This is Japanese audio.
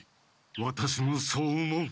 ワタシもそう思う。